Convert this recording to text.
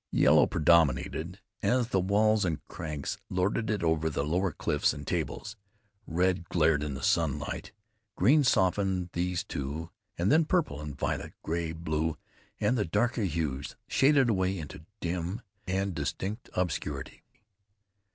Yellow predominated, as the walls and crags lorded it over the lower cliffs and tables; red glared in the sunlight; green softened these two, and then purple and violet, gray, blue and the darker hues shaded away into dim and distinct obscurity.